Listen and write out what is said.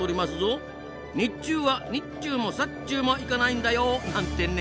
日中はにっちゅうもさっちゅうもいかないんだよ！なんてね。